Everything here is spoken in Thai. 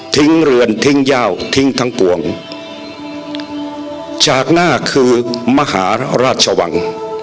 เรือนทิ้งยาวทิ้งทั้งปวงจากหน้าคือมหาราชวัง